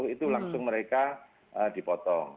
itu langsung mereka dipotong